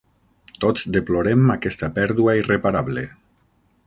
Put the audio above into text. Tots deplorem aquesta pèrdua irreparable.